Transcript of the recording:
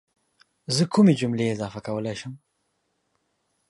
زه کومې جملې اضافه کولی شم؟